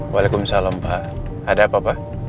waalaikumsalam pak ada apa apa